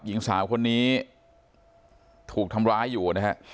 หญิงสาวคนนี้ถูกทำร้ายอยู่นะฮะ